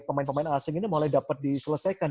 pemain pemain asing ini mulai dapat diselesaikan